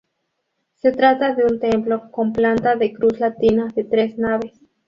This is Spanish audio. Se trata de un templo con planta de cruz latina de tres naves.